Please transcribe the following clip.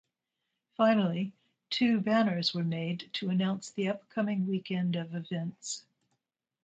Finally, two banners were made to announce the upcoming weekend of events.